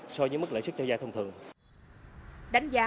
so với mức lợi sức cho giai thông thường